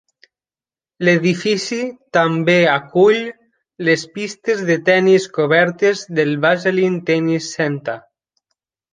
L'edifici també acull les pistes de tennis cobertes del Baseline Tennis Center.